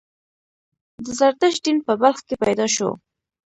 د زردشت دین په بلخ کې پیدا شو